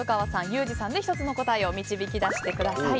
ユージさんで１つの答えを導き出してください。